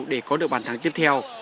để có được bàn thắng tiếp theo